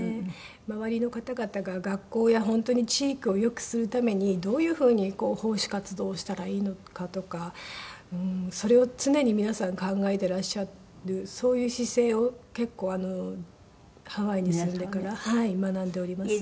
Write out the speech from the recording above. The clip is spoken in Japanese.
周りの方々が学校や本当に地域をよくするためにどういうふうに奉仕活動をしたらいいのかとかそれを常に皆さん考えていらっしゃるそういう姿勢を結構ハワイに住んでから学んでおります。